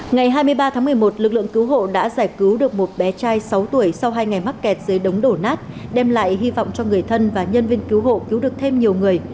ngày hai mươi ba tháng một mươi một lực lượng cứu hộ đã giải cứu được một bé trai sáu tuổi sau hai ngày mắc kẹt dưới đống đổ nát đem lại hy vọng cho người thân và nhân viên cứu hộ cứu được thêm nhiều người